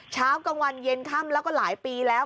เช้ากลางวันเย็นค่ำแล้วก็หลายปีแล้ว